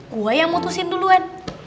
gue yang mutusin duluan